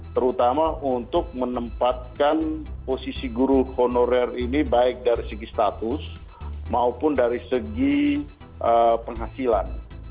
terutama untuk menempatkan posisi guru honorer ini baik dari segi status maupun dari segi penghasilan